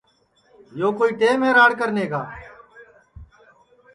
یو کوئی ٹیم ہے راڑ کرنے کا